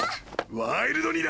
ワイルドにな！